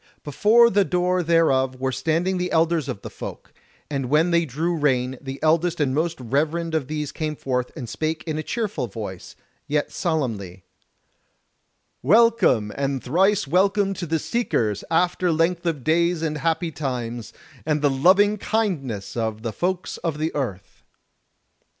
Before the door thereof were standing the elders of the Folk; and when they drew rein, the eldest and most reverend of these came forth and spake in a cheerful voice, yet solemnly: "Welcome and thrice welcome to the Seekers after length of days and happy times, and the loving kindness of the Folks of the Earth!"